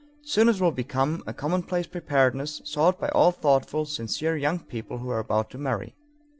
Soon it will become a commonplace preparedness sought by all thoughtful, sincere young people who are about to marry.